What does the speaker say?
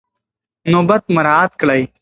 نوبت مراعات کړئ.